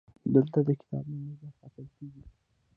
دلته د کتاب لومړۍ برخه پیل کیږي.